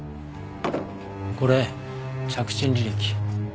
これ着信履歴。